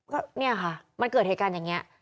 ก็เนี่ยค่ะมันเกิดเหตุการณ์อย่างนี้